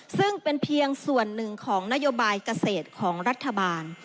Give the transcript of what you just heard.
ซึ่งเป็นเพียงส่วนหนึ่งของนโยบายเกษตรของรัฐบาล